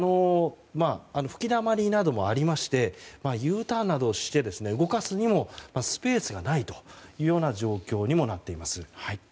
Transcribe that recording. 吹きだまりなどもありましてＵターンなどをして動かすにもスペースがないという状況にもなっています。